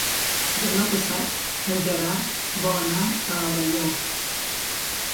Demà passat en Gerard vol anar a Alaior.